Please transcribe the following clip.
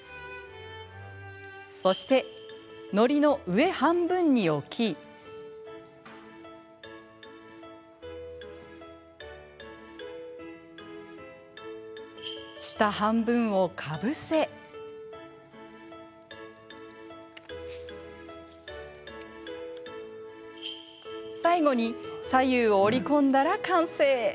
そして、のりの上半分に置き下半分をかぶせ最後に左右を折り込んだら完成。